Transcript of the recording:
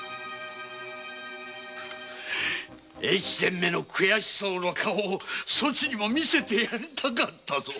大岡めの悔しそうな顔をそちにも見せてやりたかったぞ。